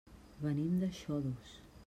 Venim de Xodos.